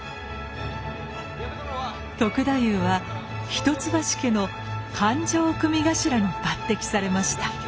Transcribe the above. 篤太夫は一橋家の勘定組頭に抜擢されました。